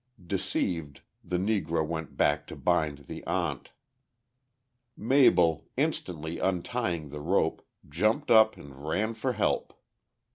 Deceived, the Negro went back to bind the aunt. Mabel, instantly untying the rope, jumped up and ran for help.